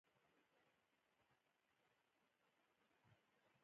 مرغۍ په نرمۍ چوڼيدلې.